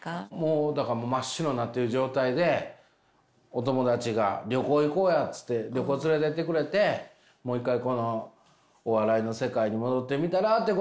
もう真っ白になってる状態でお友達が「旅行行こうや」っつって旅行連れてってくれて「もう一回このお笑いの世界に戻ってみたら」ってことを言ってくれて。